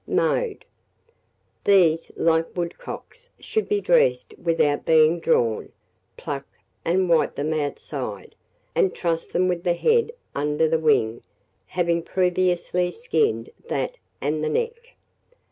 Mode. These, like woodcocks, should be dressed without being drawn. Pluck, and wipe them outside, and truss them with the head under the wing, having previously skinned that and the neck.